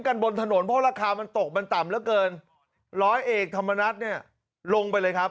บนถนนเพราะราคามันตกมันต่ำเหลือเกินร้อยเอกธรรมนัฐเนี่ยลงไปเลยครับ